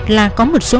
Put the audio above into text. là có một số